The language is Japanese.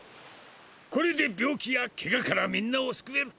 これで病気やけがからみんなをすくえる！